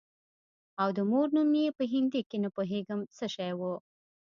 او د مور نوم يې په هندي کښې نه پوهېږم څه شى و.